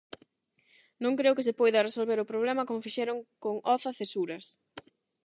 Non creo que se poida resolver o problema como fixeron con Oza-Cesuras.